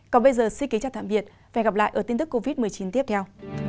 còn bây giờ xin kính chào tạm biệt và hẹn gặp lại ở tin tức covid một mươi chín tiếp theo